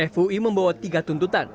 fui membawa tiga tanda